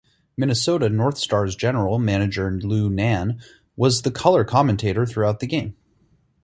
Minnesota North Stars general manager Lou Nanne was the color commentator throughout the game.